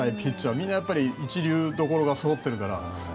みんな一流どころがそろってるから。